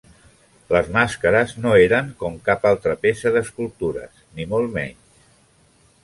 Les màscares no eren com cap altra peça d'escultures, ni molt menys.